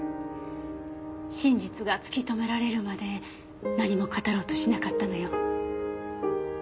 真実が突き止められるまで何も語ろうとしなかったのよ。